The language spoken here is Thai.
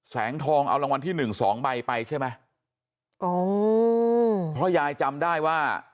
แสงทองเอารางวัลที่หนึ่งสองใบไปใช่ไหมอ๋อเพราะยายจำได้ว่า